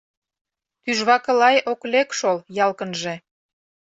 Тӱжвакы-лай ок лек шол, ялкынже